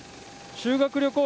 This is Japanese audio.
修学旅行